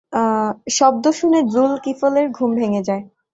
শব্দ শুনে যুল-কিফল-এর ঘুম ভেঙে যায়।